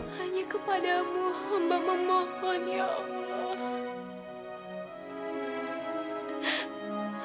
hanya kepadamu hamba memohon ya allah